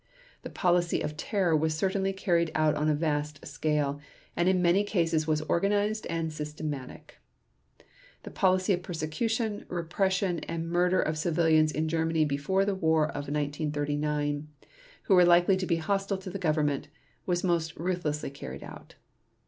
The policy of terror was certainly carried out on a vast scale, and in many cases was organized and systematic. The policy of persecution, repression, and murder of civilians in Germany before the war of 1939, who were likely to be hostile to the Government, was most ruthlessly carried out.